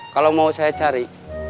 kalau mau saya cari